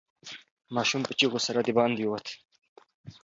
ماشوم په چیغو سره د باندې ووت.